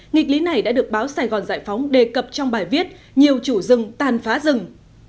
nghịch lý này đã được báo sài gòn giải phóng đề cập trong bài viết nhiều chủ rừng tàn phá rừng